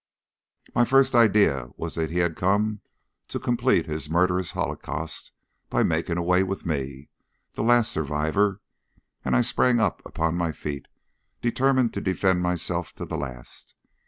My first idea was that he had come to complete his murderous holocaust by making away with me, the last survivor, and I sprang up upon my feet, determined to defend myself to the last.